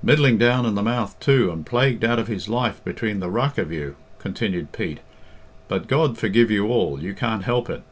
"Middling down in the mouth, too, and plagued out of his life between the ruck of you," continued Pete; "but God forgive you all, you can't help it."